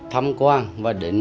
tham quan và đến